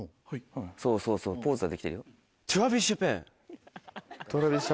そうそうそうポーズはできてるよ。